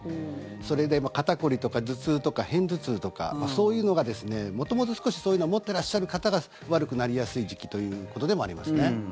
それで、肩凝りとか頭痛とか片頭痛とかそういうのが元々少し、そういうのを持ってらっしゃる方が悪くなりやすい時期ということでもありますね。